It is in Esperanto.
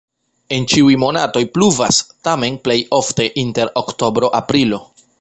En ĉiuj monatoj pluvas, tamen plej ofte inter oktobro-aprilo.